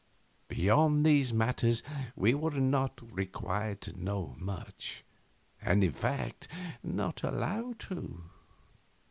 Beyond these matters we were not required to know much; and, in fact, not allowed to.